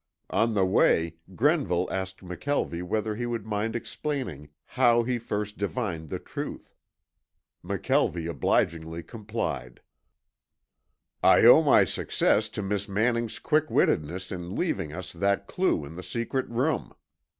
On the way Grenville asked McKelvie whether he would mind explaining how he first divined the truth. McKelvie obligingly complied. "I owe my success to Miss Manning's quick wittedness in leaving us that clue in the secret room.